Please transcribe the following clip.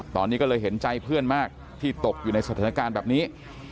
ตอนนี้ก็เลยเห็นใจเพื่อนมากที่ตกอยู่ในสถานการณ์แบบนี้